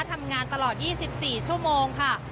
ทำงานตลอด๒๔ชั่วโมงค่ะ